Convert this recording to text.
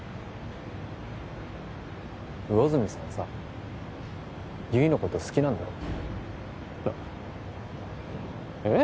魚住さんさ悠依のこと好きなんだろいやえっ？